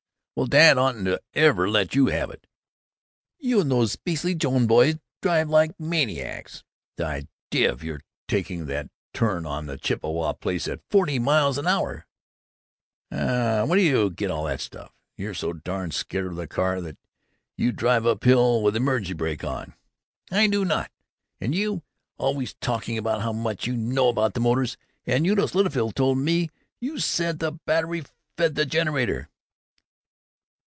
"Well, Dad oughtn't to ever let you have it! You and those beastly Jones boys drive like maniacs. The idea of your taking the turn on Chautauqua Place at forty miles an hour!" "Aw, where do you get that stuff! You're so darn scared of the car that you drive up hill with the emergency brake on!" "I do not! And you Always talking about how much you know about motors, and Eunice Littlefield told me you said the battery fed the generator!"